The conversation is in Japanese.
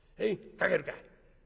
描けるか？」。